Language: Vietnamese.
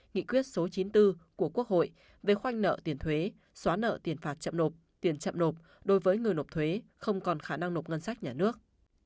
nghị quyết số chín mươi bốn của quốc hội về khoanh nợ tiền thuế xóa nợ tiền phạt chậm nộp tiền chậm nộp đối với người nộp thuế không còn khả năng nộp ngân sách nhà nước